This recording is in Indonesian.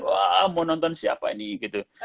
wah mau nonton siapa ini gitu